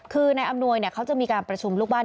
คือนายอำนวยเขาจะมีการประชุมลูกบ้าน